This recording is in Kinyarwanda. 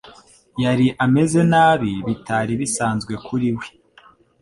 Yari ameze nabi, bitari bisanzwe kuri we.